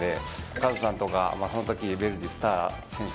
カズさんとかその時ヴェルディスター選手